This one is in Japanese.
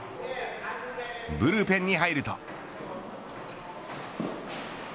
ブルペンに入ると。